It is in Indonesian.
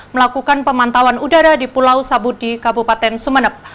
melakukan pemantauan udara di pulau sabudi kabupaten sumeneb